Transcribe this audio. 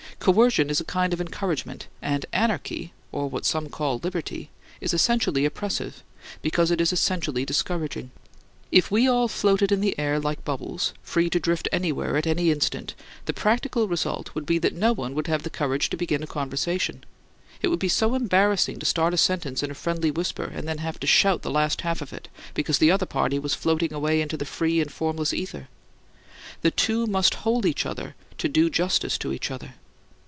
Coercion is a kind of encouragement; and anarchy (or what some call liberty) is essentially oppressive, because it is essentially discouraging. If we all floated in the air like bubbles, free to drift anywhere at any instant, the practical result would be that no one would have the courage to begin a conversation. It would be so embarrassing to start a sentence in a friendly whisper, and then have to shout the last half of it because the other party was floating away into the free and formless ether. The two must hold each other to do justice to each other.